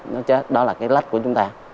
nó chết đó là cái lách của chúng ta